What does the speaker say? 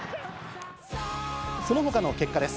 そのほかの結果です。